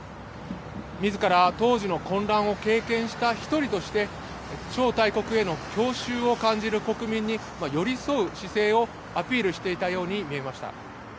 みずから当時の混乱を経験した１人として超大国への郷愁を感じる国民に寄り添う姿勢をアピールしていたように見えました。